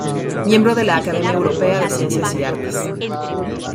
Miembro de la Academia Europea de Ciencias y Artes.